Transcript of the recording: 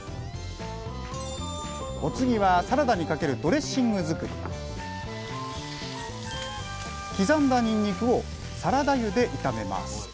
お次はサラダにかける刻んだにんにくをサラダ油で炒めます。